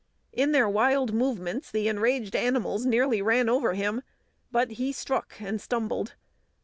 In their wild movements the enraged animals nearly ran over him, but he struck and stumbled.